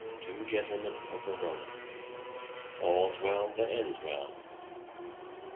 Two Gentlemen of Verona. All's Well that Ends Well.